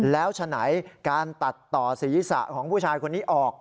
แล้วฉะไหนการตัดต่อศีรษะของผู้ชายคนนี้ออก